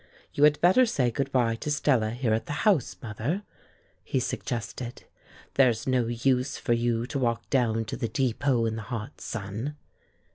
"You had better say good by to Stella here at the house, mother," he suggested; "there's no use for you to walk down to the depot in the hot sun."